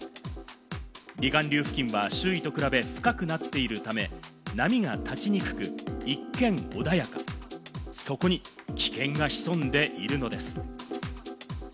離岸流付近は周囲と比べ深くなっているため、波が立ちにくく、一見穏やか、そこに危険が潜んでいるのです。